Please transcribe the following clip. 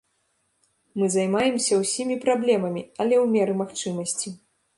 Мы займаемся ўсімі праблемамі, але ў меры магчымасці.